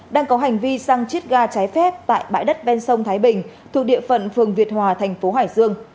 đang có hành vi sang chiếc ga trái phép tại bãi đất bên sông thái bình thuộc địa phận phường việt hòa thành phố hải dương